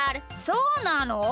そうなの？